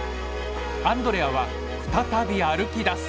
アンドレアは再び歩きだす。